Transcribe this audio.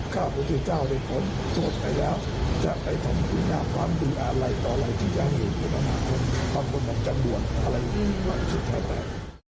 ความคุณหันจำนวนอะไรอยู่ในสุดท้ายแต่